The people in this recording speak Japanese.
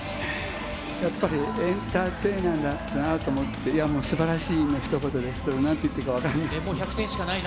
やっぱりエンターテイナーだなと思って、いや、もうすばらしいのひと言です。なんて言っていいか分からない。